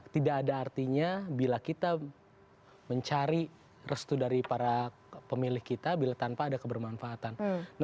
tidak ada artinya bila kita mencari restu dari para pemilih kita tanpa ada kebermanfaatan